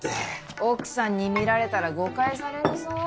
奥さんに見られたら誤解されるぞ。